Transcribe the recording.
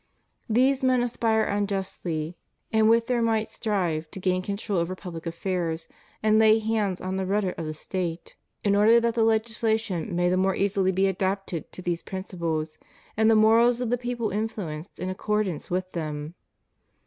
These men aspire unjustly, and with their might strive, to gain control over public affairs and lay hands on the rudder of the State, in order that the legislation may the more easily be adapted to these principles, and the morals of the people influenced in accordance with them.